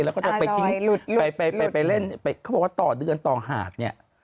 แล้วก็จะไปทิ้งไปเล่นไปเขาบอกว่าต่อเดือนต่อหาดเนี่ย